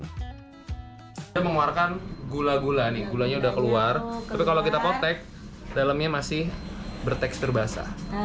kita mengeluarkan gula gula nih gulanya udah keluar tapi kalau kita kotek dalamnya masih bertekstur basah